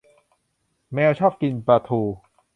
แมวชอบกินปลาทู